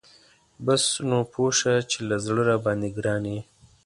بس نو پوه شه چې له زړه راباندی ګران یي .